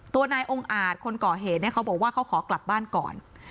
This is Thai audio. ตัวนายองค์อาจคนก่อเหตุเนี่ยเขาบอกว่าเขาขอกลับบ้านก่อน